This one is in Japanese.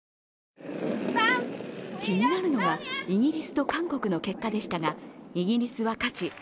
気になるのはイギリスと韓国の結果でしたがイギリスは勝ち